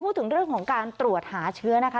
พูดถึงเรื่องของการตรวจหาเชื้อนะคะ